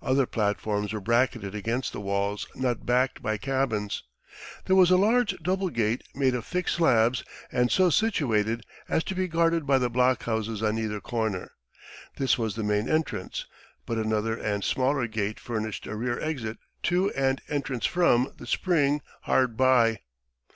Other platforms were bracketed against the walls not backed by cabins. There was a large double gate made of thick slabs and so situated as to be guarded by the blockhouses on either corner; this was the main entrance, but another and smaller gate furnished a rear exit to and entrance from the spring hard by.